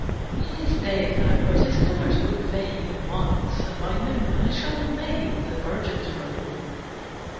He is dead now, but his colours won't fade At once, and by noon I shall have made The Virgin's robe.